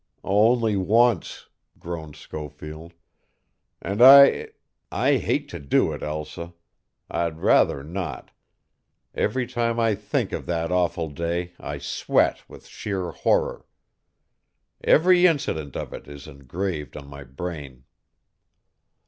_" "Only once," groaned Schofield, "and I I hate to do it, Elsa. I'd rather not. Every time I think of that awful day I sweat with sheer horror. Every incident of it is engraved on my brain."